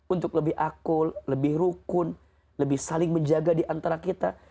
untuk lebih akul lebih rukun lebih saling menjaga diantara kita